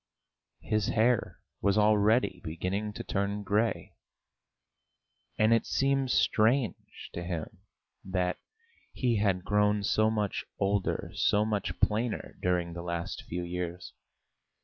His hair was already beginning to turn grey. And it seemed strange to him that he had grown so much older, so much plainer during the last few years.